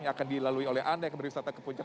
yang akan dilalui oleh anda yang berwisata ke puncak